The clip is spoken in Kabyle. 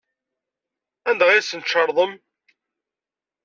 Anda ay asen-tcerḍem?